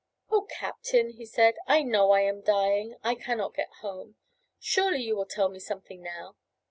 "O Captain," he said, "I know I am dying. I cannot get home. Surely you will tell me something now?